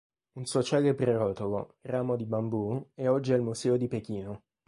Un suo celebre rotolo, "Ramo di bambù", è oggi al Museo di Pechino.